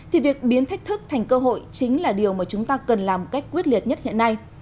thì việc biến thách thức thành cơ hội chính là điều mà chúng ta cần làm cách quyết liệt nhất hiện nay